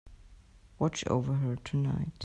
Watch over her tonight.